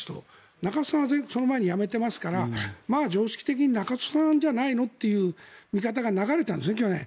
中曽さんはその前に辞めていますからまあ、常識的に中曽さんじゃないのという見方が流れたんですね、去年。